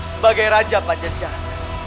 sebagai raja pajajara